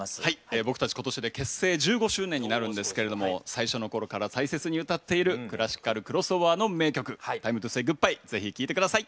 僕たち今年で結成１５周年になるんですけれども最初の頃から大切に歌っているクラシカル・クロスオーバーの名曲「ＴＩＭＥＴＯＳＡＹＧＯＯＤＢＹＥ」是非聴いて下さい。